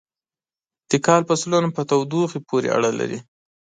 د کال فصلونه په تودوخې پورې اړه لري.